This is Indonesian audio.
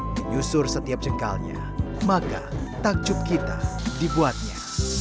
menyusur setiap jengkalnya maka takjub kita dibuatnya